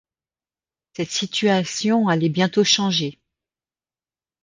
Cette situation allait bientôt changer.